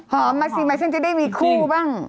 หอมมาสิหมายถึงจะได้มีคู่บ้าง